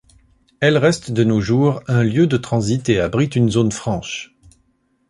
Elle reste de nos jours un lieu de transit et abrite une zone franche.